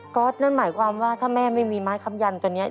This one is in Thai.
ก็นั่นหมายความว่าถ้าแม่ไม่มีไม้คำยันตัวนี้